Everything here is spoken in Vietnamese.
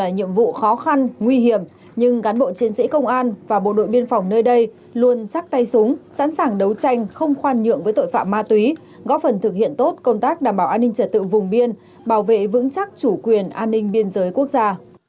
nhưng cán bộ chiến sĩ công an và bộ đội biên phòng nơi đây luôn chắc tay súng sẵn sàng đấu tranh không khoan nhượng với tội phạm ma túy góp phần thực hiện tốt công tác đảm bảo an ninh trật tự vùng biên bảo vệ vững chắc chủ quyền an ninh biên giới quốc gia